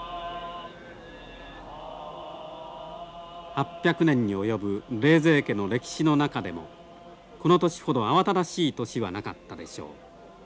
８００年に及ぶ冷泉家の歴史の中でもこの年ほど慌ただしい年はなかったでしょう。